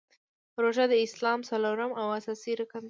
روژه د اسلام څلورم او اساسې رکن دی .